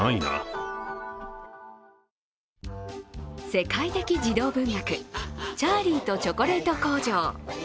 世界的児童文学「チャーリーとチョコレート工場」。